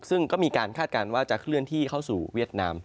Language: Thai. ซึ่งก็มีการคาดการณ์ว่าจะเคลื่อนที่เข้าสู่เวียดนาม